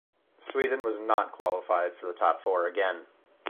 Sweden was not qualified for the top four again.